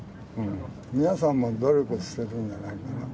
皆さんも努力してるんじゃないかな。